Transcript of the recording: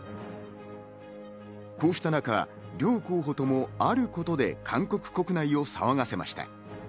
こうした中、両候補ともあることで韓国国内を騒がせました。